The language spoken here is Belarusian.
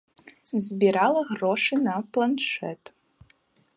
Збірала грошы на планшэт.